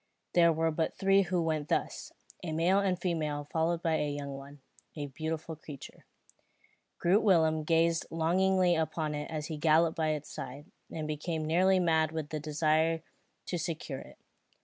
There were but three who went thus, a male and female followed by a young one, a beautiful creature. Groot Willem gazed longingly upon it as he galloped by its side, and became nearly mad with the desire to secure it.